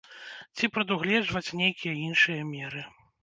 Ці прадугледжваць нейкія іншыя меры.